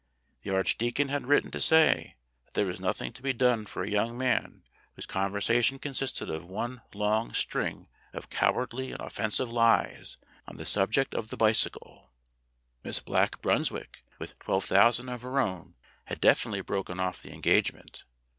The arch deacon had written to say that there was nothing to be done for a young man whose conversation consisted FAILURE OF PROFESSOR PALBECK 59 of one long string of cowardly and offensive lies on the subject of the bicycle. Miss Black Brunswick (with twelve thousand of her own) had definitely broken off the engagement.